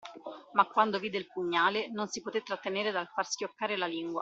Ma quando vide il pugnale, non si poté trattenere dal far schioccare la lingua